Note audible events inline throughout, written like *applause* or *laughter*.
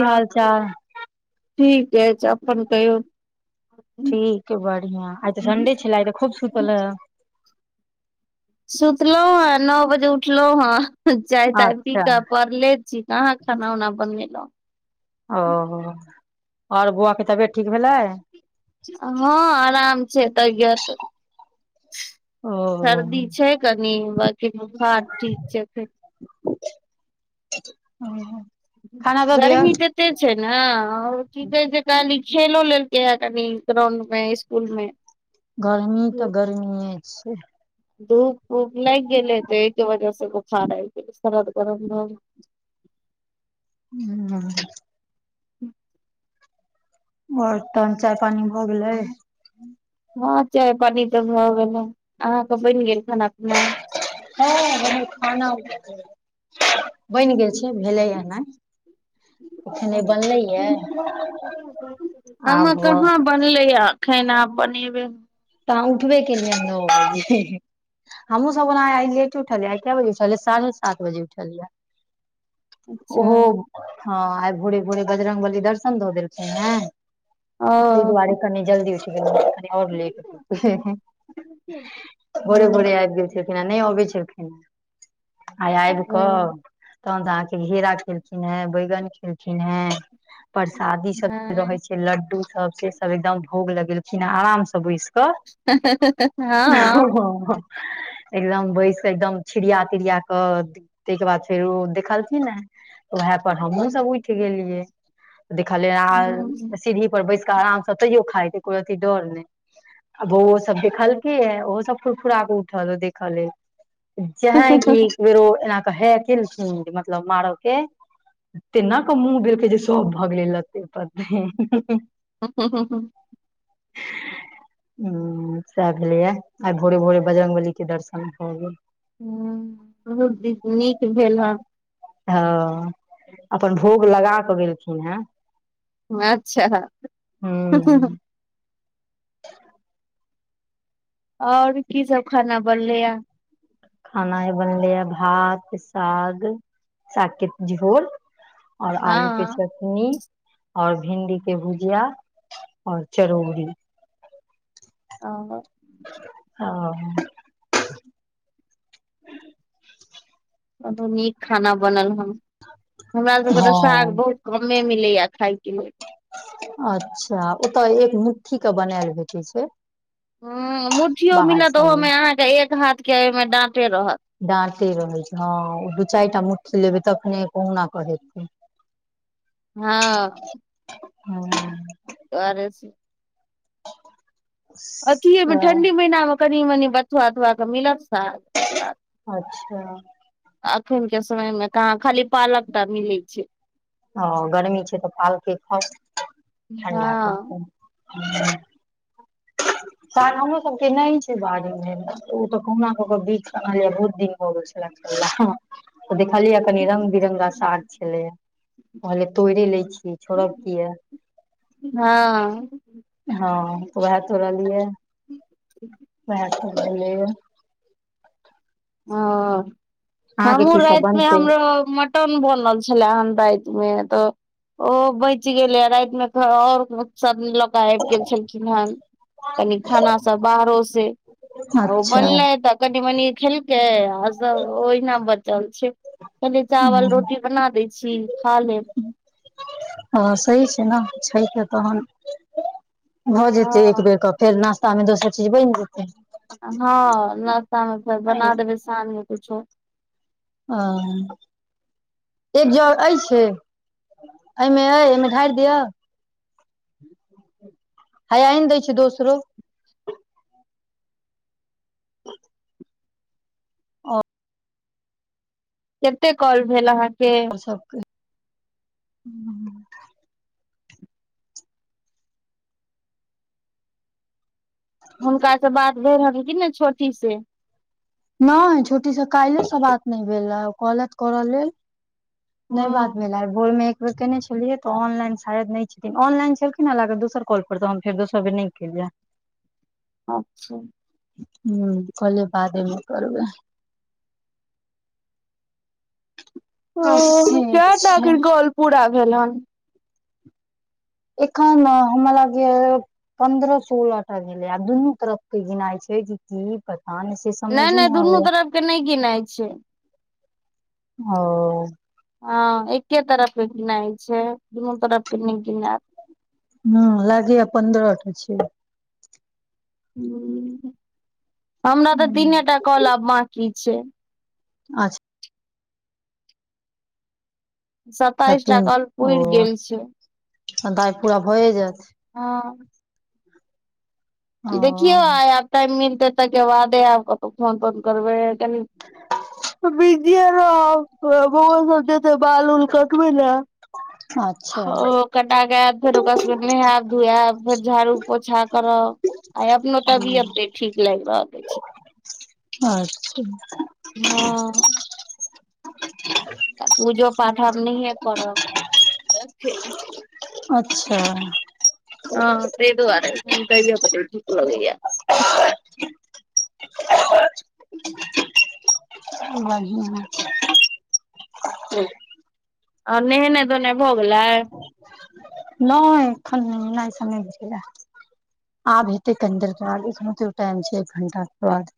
की अहां हाल के चाल ठीक ऐछ अपन कहियौ? ठीक यै बढ़ियां आइ तऽ संडे छलै आय तऽ खूब सुतल सुतलौ हें नौ बजे उठलौ हें चाय-ताय पी अच्छा कऽ पड़ले छी। हां-हां खाना-उना बनेलौ। औ और बौआ के तबियत ठीक भेलै? हां आराम छै तबियत, ओ सर्दी छै। कनी बाकी बुखार ठीक छै एखैन। औ। गर्मी त तै छै नै और की कहै छै काएल ई खेलो लेलकै हें कनि ग्राउंड मे स्कुल मे। गरमी तऽ गरमीए छै। धूप-उप लाएग गेल हेतै ए के वजह से बुखार आएब गेलै, सरद-गरम भऽ गेलै। *unintelligible* हू। *unintelligible* और तहन चाय-पानी भऽ गेलै। हां चाय पानी तऽ भऽ गेलै, अहाँके बैन गेल खाना-पीना। हां हमर खाना बैन गेलै। बैन गेल छै भेलै यै नै। एखने बनलैया हम्मे आब कहाँ ब नले यै अखैन आब बनेबै। त अहां उठबे केलिए नाउ बजे हम्हूँ सब ओना आय लेट उठलिए, आय कै बजे छलै साढ़े सात बजे उठलिए। अच्छा उहो हां आय भोरे-भोरे बजरंग बली दर्शन द देलकै हें। ओ तै दुआरे कनी जल्दी उठ गेलौ कनी और लेट भोरे-भोरे हँ आएब गेल छलखिन्ह यै, नै अबै छलखिन्ह। आय आएब ओ क तहन तऽ अहाँके घेरा खेलखिन्ह हें, बैगन खेलखिन्ह हें। परसादी सब रहै हँ छै, लड्डू सब से सब एकदम भोग लगेलखिन्ह आराम से बैस क हँ हां-हां-हां। एकदम बैस कै एकदम छिड़िया-तिड़िया क द तै के बाद फेर ओ देखलखिन्ह हें, उहै पर हम्हुॅं सब उठ गेलियै। देखलियै आ सीढ़ी पर बैस कै आराम से तैयो खाएत एकोरती डर नै। आ बउवो सब देखलकै हें ओहो सब फुरफुरा क उठल देखा लेल। जेहना कि एक बेर ओ एना कै हें केलखिन्ह मतलब मारऽ के तेना कऽ मुँह बेलकै जे सब भगलै लत्ते-पत्ते हू हू हूँ हूँ हुं सैह भेलै यै आइ भोरे-भोरे बजरंग बली के दर्शन भऽ गेल। हां बहुत दि नीक भेल हें। ह अपन भोग लगा कऽ गेलखिन हे। अच्छा। हूँ आओर की सब खाना बनले ये। खानाय बनलै हे भात साग सागके झोर। आओर आलू के हँ चटनी आओर भिंडी के भुजिया आओर चरौरी। अ अ बड नीक खाना बनल हन हमरा सबके तऽ साग बहुत। कमे मिलैये खायके ले। अच्छा ओतय एक मुट्ठी के बनायल भेटैत छैय। हँ मुुठियो मिलत सबमे ओहोमे अहाँके एक हाथके ओहिमे डाँटे रहत। डाटे रहै छैय हँ ओ दू चारि टा मुट्ठी लेबै तखने कहुना कऽ हेतै। हँ। हँ। तऽ आर ए सी अथिए मे ठण्ढी महीनामे कनि मनि बथुआ तथुआ कऽ मिलत साग अच्छा। एखन के समयमे कहाँ खाली पालक टा मिलै छैय। ह गरमी छैय तऽ पालके खाउ ठंडा हँ करते। साग हमरो सबके नहि छैय बाड़ी मे ओ तऽ कहुना कऽ के बीछ के अनलियै ये बहुत दिन। भऽ गेल छले देखलियै कनी रंग बिरंगा साग छलै। कहलियै तोइड़े लै छी छोड़ब किया। हँ। हँ उएह तोरलियै वेह तोरलियै। ओ अहाँके हमहू की सब रातिमे बनतै हमरो मट टन बनल छले हे रातिमे तऽ ओ बचि गेलै हे राति मे आओर सब मिलत ता आबि गेल छलखिन हे कनि खाना सब बाहरो से आ ओ अच्छा बनलै तऽ कनि मनि खेलकै आ सब ओहिना बचल छैय। कनी चावल रोटी बना दै छी खा लेब। ह सही छैय ने छैय तऽ तहन भऽ जेतै एक हँ बेर कऽ। फेर नाश्ता मे दोसर चीज बनि जेतै। हँ नाश्ता मे फेर बना ह देबै साँझ मे किछो। आ एक जग एछे एहिमे एहिमे ढारि दिअ। ह्य्या आइन दै छी दोसरो। केते कॉल भेल अहाँके। सबकोई हुनका से बात भएल हँ कि ने छोटी से। नहि छोटी से काल्हि से बात नहि भेल हे ओ कहलैत करऽ लेल। नहि बात हँ भेल है भोर मे कयने छलियै तऽ ऑनलाइन शायद नहि छथिन, ऑनलाइन छलखिन हँ, लागल दोसर कॉल पर, तऽ हम फेर दोसर बेर नहि केललिये। अच्छा! हुँ, कहलियै बादेमे करबै। ओ से केटा छै अखन कॉल पूरा भेल हन। एखन हमरा लागैया पन्द्रह सोलह टा भेलै, आ दुनू तरफ के गिनाय छै की- की पता नहि? से नहि समझे -नहि दुनू आबैये तरफ के नहि गिनाइ छै। ओ। हँ, एके तरफ के गिनाइ छै, दुनू तरफ के नै गिनैत। हँ लागय पन्द्रह टा छै। हूँ, हमरा तऽ तीने हूँ टा कॉल आब बाकी छै। अच्छा! अच्छा स्ताइस टा कॉल पुर गेल छै। त दइ पूरा भए जायत। हँ। ओ देखियौ आइ आब टाइम मिलतै त के बादे आब कतौ फोन -तोन करबे। बिज आर ब श *unintelligible* बाल उल कट भ ने ह अच्छा *unintelligible* कटा के ऐब, फेर ओकरा सबके नहायब -धुएब, फेर झाड़ू पोछा करब। आ तबीयत नै ठीक लाइग रहल अइछ। अच्छा! हँ। तऽ पूजो पाठ आब नहिये करब। *unintelligible* अच्छा! हँ त दुआरे, तबीयत ने ठीक लगैए। बढ़ियाँ छै चलू। आ नेहेने -धोनई भऽ गेलै। नहि एखन नहि नय सुनाय छले। आब हेतै कनी देर के बाद, ते टाइम छै एक घण्टााके बाद।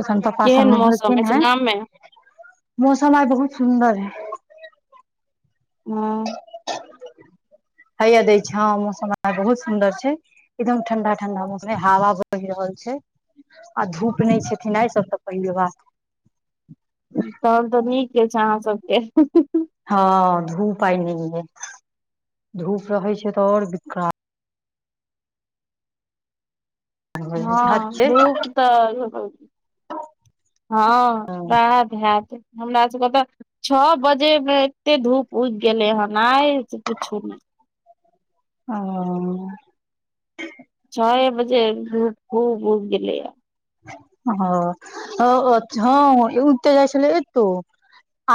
एखन पप्पा सब केहन मौसम नहेलखिन अछि है, गाम मे मौसम आइ बहुत सुंन्दर है। हूँ। हैया दै छै, ह मौसम बहुत सुंन्दर छै। एकदम ठण्डा -ठण्डा मौसम, हवा बैह रहल छै। आ धूप नहि छै, आ सब त पहिने बात। तहन तऽ नीक अइछ, अहाँ सबके। हँ, धूप आय नहि अय, धूप रहे छै तऽ, और विकराल। भ जाइ छै हद हँ छै घूप तऽ हँ बड़ा भ्यात। हमरा सबके तऽ छओ बजे मे एते धूप उगि गेलै हन आइ, से पुछू नहि। ओ। छ ए बजे धुप खूब उग गेलै या। हं ओ हँ, उग तऽ जाय छेलै एतौ,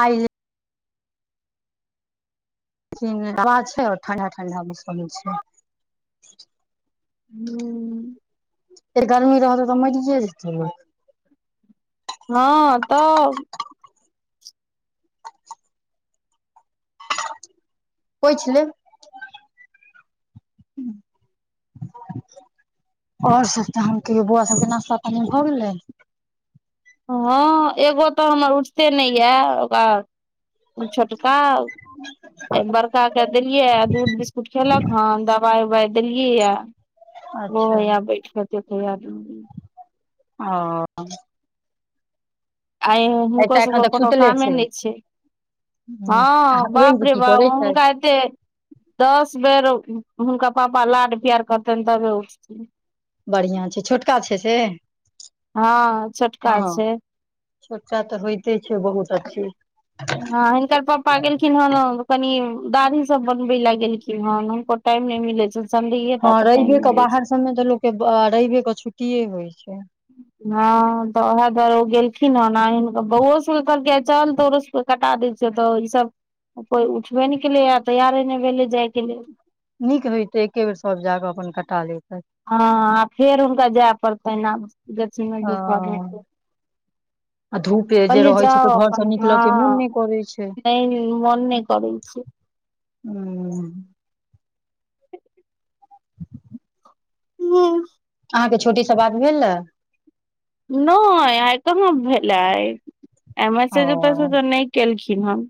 आय हवा छै, और ठण्डा -ठण्डा मौसम छैय। हूँ। एते गर्मी रहतै तऽ मैरिेये जेतै। हँ तऽ पोयछ ले *unintelligible* और सब तहन कहियो बौआ सबके नाश्ता पानी भऽ गेलै? हँ एगो तऽ हमर उठते नैय या ओकरा छोटका बड़का के देलियै आ दूध बिस्कुट खेलक हन द बाय -बाय देलीयै या वो है या बैठ *unintelligible* याद हँ आय हुनको एकटा एखन सबके तक कोनो सुतले छै कामे नैय छैय। हूँ आ हँ हसबैंड जी बापरे की बा करै छथि हुनका एते दस बेर हुनका पापा लाड प्यार करतैन तबे उठथिन। बढ़ियां छै छोटका छै से हँ छोटका हँ। छै छोटका तऽ होइते छै बहुत अचछी। ह हिनकर प्प पा गेलखिन हन कनी दाढ़ी सब बनबे ले गेलखिन हन हुनको टाइम नै मिलेै छैन। हँ रैबे के बाहर सबमे तऽ लोकके रैबे के छुट्टीए होय छैय। हँ तऽ उएह दुवारे गेलखिन ह न बौओ सब के कहलकै या चल तोरो को कटा दै छिय तऽ ई सब कोई उठबे नै केलेैआ तैयारे नै भेलेै जाय के लेल। नीक होेयतै एके बेर सब जा कऽ अपन कटा लेैतथीन। हँ आ फेर हुनका जाय पड़तैन आब जेथिन हँ दुपहरे के। आ धूप जे रहै छैय तऽ घर अपन सँ निकलय के मोन हँ नै करै छैय। नहि मोन नहि करै छै हू *unintelligible* *inaudible* मी आहाँके छोटी से बात भेलै? नैय आय कहाँ भेल आय ए मैसेजो ओ -तैसेजो नै केलखिन हन।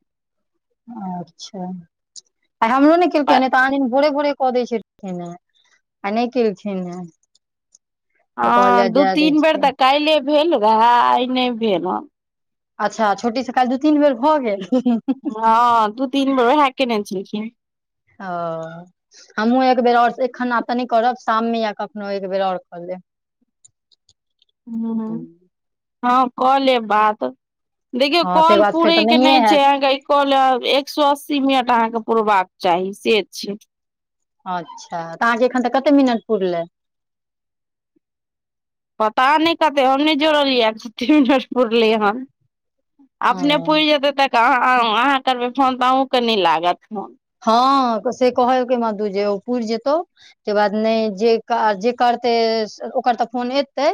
अच्छा आय हमरो नेै केलकै या नै तऽ आन दीन भोरे -भोरे कऽ दै छेलखिन आय नैय केलखिन हें। हँ दू दै तीन बेर छियै तऽ काल्हे भेल रहेए आय नैय भेल हँ। अच्छा छोटी सँ काल्ह दू तीन बेर भऽ गेल हँ-हँ। हँ दू तिन बेर उहे केने छेलखिन। हँ हमहूँ एक बेेर और एखन आब त नै करब शाम मे या कखनो एक बेेर और कऽ लेब। हूँ हँ कऽ लेब बात। देखियौ हँ ताहिके काॅल बाद फेर तऽ पूरेै के नहिए नैय छै हैत आहाँके काॅल एक सौ अस्सी मिनट आहाँके पुरबाक चाही से छैय। अच्छा तऽ आहाँ एखन तऽ कते मिनट पूुरले? पता नैय कते हम नैय जोड़लियै या हँ कते मिनट पुरलेै हन। ओ अपने पूर जेतै तऽ कऽ आहाँ करबै फोन तऽ अहूँकेँ नैय लागत फोन। हँ से कहलकेै मधु जे ओ पुइर जेतौ। तै के बाद नैय जे- जे करतै ओकर तऽ फोन एतै।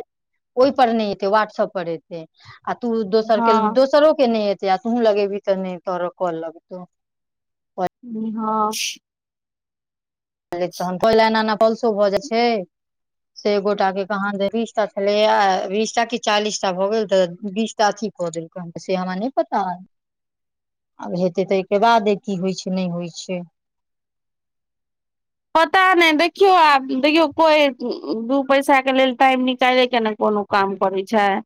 ओय पर नैय एतेै व्हट्सप्प पर एतै। आ तू दोसरके हँ दोसरोके नैय एतै आ तूहू लगेबी त नैय तोहर कौल लगतौ। हँ। तन पहिल एना -एना पल्सो भ जाइ छैय। से एक गोटाके कहादन जे बीसटा छलैये बीसटा की चालीस टा भऽ गेल त बीस टा अथी क देल। से हमरा नै पता। आब हेतै तैयके बादे की होइ छैय नै होइ छैय। पता नय देखियौ आब देखियौ कोई दू पैसाके लेल टाइम निकाइलै के ने कोनो काम करै छैय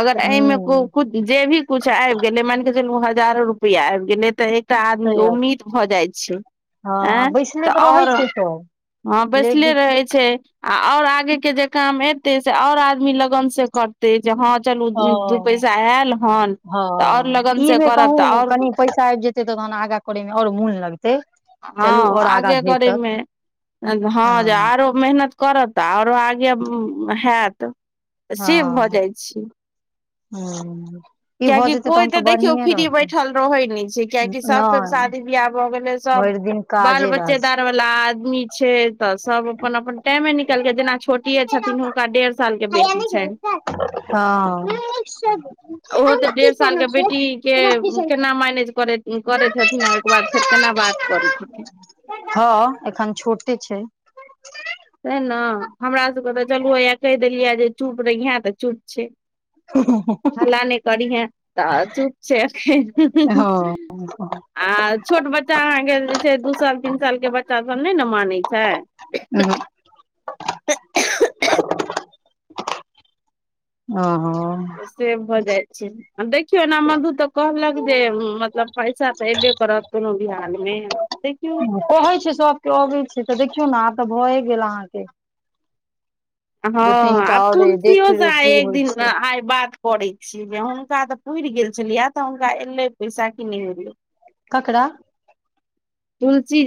अगर एयमे हूँ कुछ जे भी कुछ आबि गेलै माइन केे चलू हजारो रुपया आबि गेलै त त सही आदमीके बात उम्मीद भ जाइ छैय हँ एँ बैसले त तऽ रहै और छै सब हँ बैसले लेडीज रहै छैय। आ और आगे के जे काम एतेय से और आदमी लगन से करतय जे हँ चलू हँ दू-दू पैसा आयल हन हँ त और लगन से करब त और आइब जेतै तहन आगाँ करैमे और मोन लगतै। चलू हँ आओर आगाँ आगे भेटत करमे हँ जे आरो मेहनत करत आरो आगे हैत से भ जाइ छैय। हू। किएकि कोइ त देखियौ फ्री बैठल रहै नय छैय किएकि सभके नहि शादी बियाह भ गेलै सभ भरि दिन बाल काजे राज बच्चेदार वला आदमी छैय त सभ अपन- अपन टाइमे निकलके जेना छोट टकीये छथिन हुनका डेढ़ सालके बेटी छैन। हँ। ओहो त डेढ़ सालके बेटी के केना मैनेज कर करेत हेथिन ओयके बाद फेर केना बात करैत हेथिन्ह। हँ एखन छोटे छैय। तैं ने हमरा सबके त चलु हैया कहि देलियै जे चुप रहियें त चुप छैय। ह ह। हल्ला नै करी हैं त चुप छैय अखनि। हँ आ छोट बच्चा अहाँके जे छैय दू साल तीन सालके बच्चा सभ नै ने मानै छैय। ह। ओहो। त से भ जाइ छैय। आ देखियौ ने मधु त कहलक जे मतलब पैसा त एबे करत कोनो भी हालमे। देखियौ। कहै छैय सबके अबै छैय त देखियौ ने आब त भए गेल अहाँके। हँ दू तीन टा आब आओर देख तुलसियो से लियौ आय की एक होइ दिन छै आय बात करय छी जे हुनका त पुइर गेल छैन यैह त हुनका एलैन पैसा कि नै एलै। ककरा। तुलसी जे